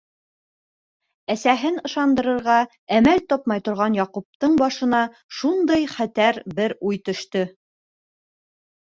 Әсәһен ышандырырға әмәл тапмай торған Яҡуптың башына шундай хәтәр бер уй төштө: